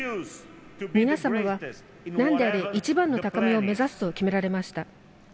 皆様はなんであれ一番の高みを目指すと決められました。